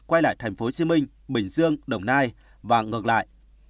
quay lại thành phố hồ chí minh bình dương đồng nai và ngược lại